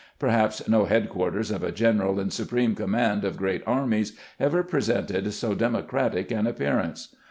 Perhaps no headquarters of a general in supreme command of great armies ever presented so democratic an appearance.